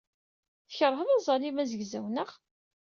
Tkeṛhed aẓalim azegzaw, naɣ?